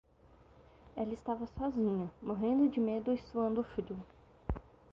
Ela estava sozinha, morrendo de medo e suando frio.